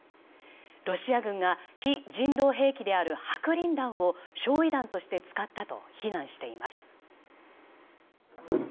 ロシア軍が非人道兵器である白リン弾を焼夷弾として使ったと非難しています。